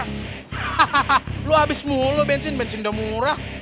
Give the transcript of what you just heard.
hahaha lu abis mulu bensin bensin udah murah